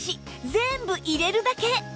全部入れるだけ